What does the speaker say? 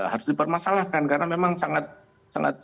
harus dipermasalahkan karena memang sangat